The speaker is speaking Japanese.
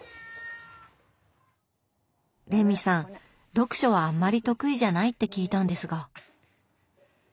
読書はあんまり得意じゃないって聞いたんですが。